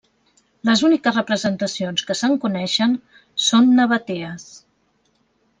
Les úniques representacions que se'n coneixen són nabatees.